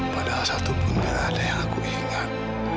padahal satu pun gak ada yang aku ingat